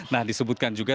nah disebutkan juga